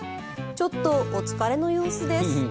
ちょっとお疲れの様子です。